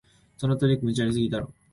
そのトリック、無茶ありすぎだろ